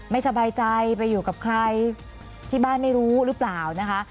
สบายใจไปอยู่กับใครที่บ้านไม่รู้หรือเปล่านะคะ